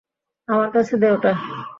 আমার কাছে দে ওটা।